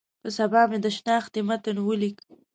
په سبا مې د شنختې متن ولیک.